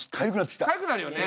かゆくなるよね。